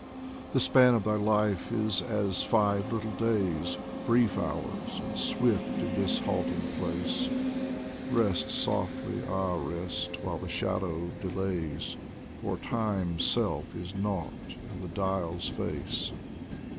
The span of thy life is as five little days, Brief hours and swift in this halting place ; Rest softly, ah rest ! while the Shadow delays, For Time's self is nought and the dial's face.